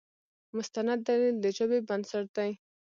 مستند دلیل د ژبې بنسټ دی.